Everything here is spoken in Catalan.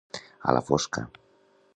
A la fosca.